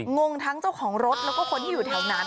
งงทั้งเจ้าของรถแล้วก็คนที่อยู่แถวนั้น